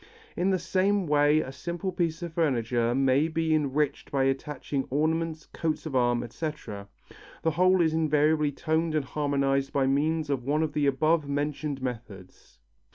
In the same way a simple piece of furniture may be enriched by attaching ornaments, coats of arms, etc. The whole is invariably toned and harmonized by means of one of the above mentioned methods.